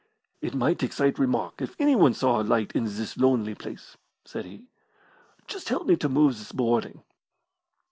"It might excite remark if anyone saw a light in this lonely place," said he. "Just help me to move this boarding."